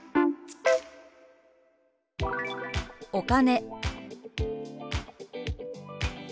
「お金」。